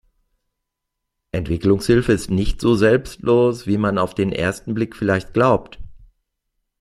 Entwicklungshilfe ist nicht so selbstlos, wie man auf den ersten Blick vielleicht glaubt.